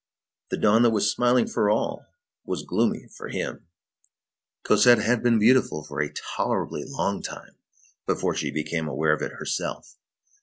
The dawn that was smiling for all was gloomy for him. Cosette had been beautiful for a tolerably long time before she became aware of it herself.